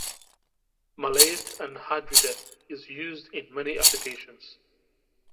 Maleic anhydride is used in many applications.